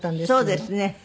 そうですね。